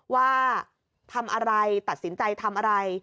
ว่าทำอะไรตัดสินใจทำอะไร